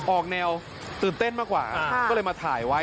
ออกแนวตื่นเต้นมากกว่าก็เลยมาถ่ายไว้